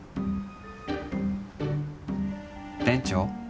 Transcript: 店長？